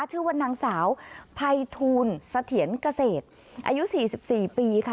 ชื่อว่านางสาวไพทูลสะเทียนเกษตรอายุสี่สิบสี่ปีค่ะ